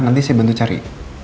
nanti saya bantu cari